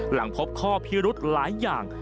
หลังพบข้อพิรุธหลายอย่าง